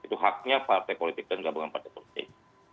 itu haknya partai politik dan gabungan partai politik